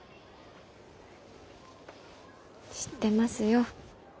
知ってますよ。